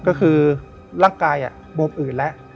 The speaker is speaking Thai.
ก็คือร่างกายโบบอื่นละ